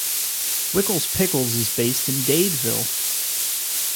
Wickles Pickles is based in Dadeville.